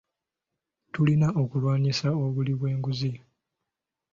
Tulina okulwanyisa obuli bw'enguzi.